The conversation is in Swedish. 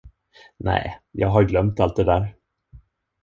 Nej, jag har glömt allt det där.